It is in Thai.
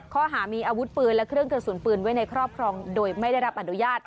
ข้อหามีอาวุธปืนและเครื่องกระสุนปืนไว้ในครอบครองโดยไม่ได้รับอนุญาต